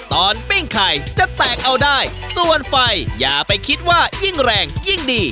ปิ้งไข่จะแตกเอาได้ส่วนไฟอย่าไปคิดว่ายิ่งแรงยิ่งดี